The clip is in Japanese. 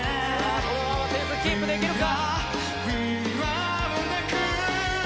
点数キープできるか？